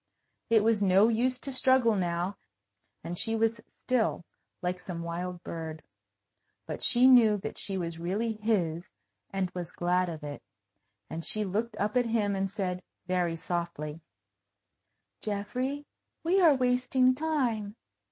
It was no use to struggle now, and she was still, like some wild bird. But she knew that she was really his, and was glad of it. And she looked up at him and said, very softly, "Geoffrey, we are wasting time."